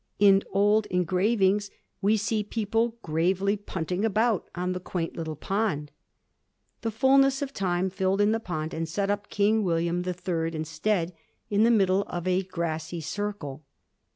In old engravings we see people gravely punting about on the quaint little pond. The fulness of time filled in the pond and set up King William the Third instead in the middle of a grassy circle.